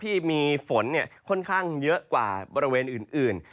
ที่มีฝนค่อนข้างเยอะกว่าบริเวณอื่น